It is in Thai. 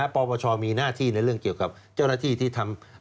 ปปชมีหน้าที่ในเรื่องเกี่ยวกับเจ้าหน้าที่ที่ทำ